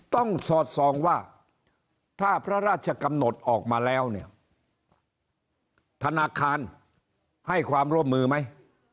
สอดส่องว่าถ้าพระราชกำหนดออกมาแล้วเนี่ยธนาคารให้ความร่วมมือไหม